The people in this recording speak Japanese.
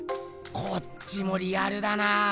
こっちもリアルだなぁ。